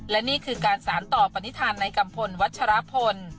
และนี่คือการสารต่อปณิธานในกัมพลวัชรพล